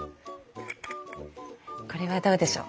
これはどうでしょう。